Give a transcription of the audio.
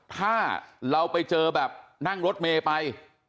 ถ้าเราไปเจอแบบนั่งรถเมย์ไป